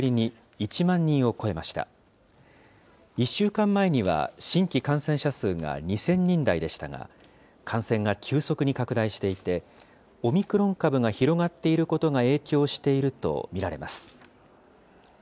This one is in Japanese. １週間前には、新規感染者数が２０００人台でしたが、感染が急速に拡大していて、オミクロン株が広がっていることが影響していると見られます。